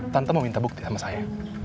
tante mau minta bukti sama saya